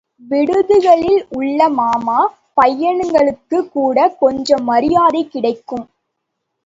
விடுதிகளில் உள்ள மாமா பையன்களுக்குக் கூட கொஞ்ச மரியாதை கிடைக்கும்.